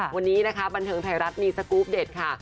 วันนี้บันทึงไทยรัฐมีสกรูปเดทค่ะ